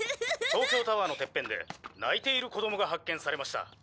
「東京タワーのてっぺんで泣いている子供が発見されました」